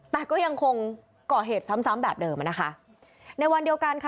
แต่ก็ยังคงเกาะเหตุซ้ำซ้ำแบบเดิมอ่ะนะคะในวันเดียวกันค่ะ